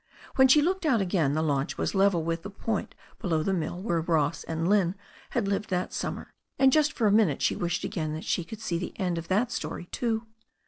When she looked out again the launch was level with the point below the mill where Ross and Lynne had lived that summer, and just for the minute she wished again that she could see the end of that story too.